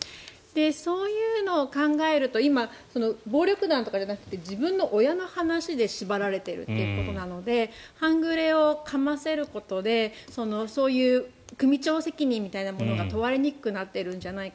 そういうのを考えると暴力団とかじゃなくて自分の親の話で縛られているということなので半グレをかませることでそういう組長責任みたいなものが問われにくくなっているんじゃないか。